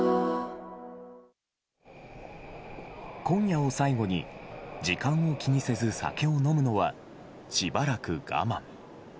今夜を最後に時間を気にせず酒を飲むのはしばらく我慢。